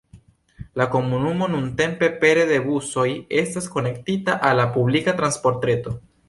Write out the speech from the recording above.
La komunumo nuntempe pere de busoj estas konektita al la publika transportreto.